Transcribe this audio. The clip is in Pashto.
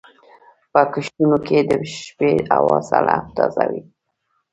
په کښتونو کې د شپې هوا سړه او تازه وي.